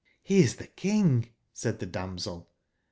*' He is tbe King," said tbe damsel.